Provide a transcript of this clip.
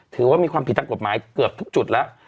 ถือว่ามีความผิดทางกฎหมายเกือบทุกจุดแล้ว